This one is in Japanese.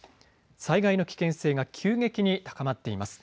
災害の危険性が急激に高まっています。